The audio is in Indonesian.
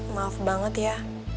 maaf banget ya